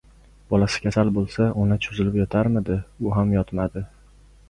Bolasi kasal bo‘lsa, ona cho‘zilib yotarmidi? U ham yotmadi